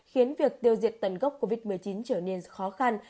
khiến việc tiêu diệt tần gốc covid một mươi chín trở nên khó khăn